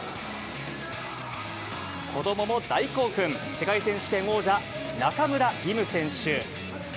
子どもも大興奮、世界選手権王者、中村輪夢選手。